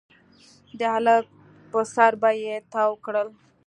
د هلک پر سر به يې تاو کړل.